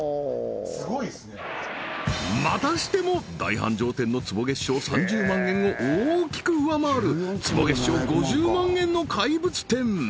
すごいっすねまたしても大繁盛店の坪月商３０万円を大きく上回る坪月商５０万円の怪物店